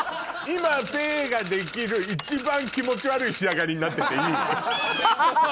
今ぺえができる一番気持ち悪い仕上がりになってていい。